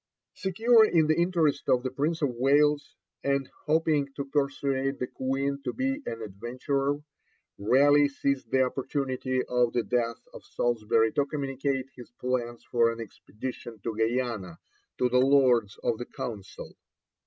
Secure in the interest of the Prince of Wales, and hoping to persuade the Queen to be an adventurer, Raleigh seized the opportunity of the death of Salisbury to communicate his plans for an expedition to Guiana to the Lords of the Council.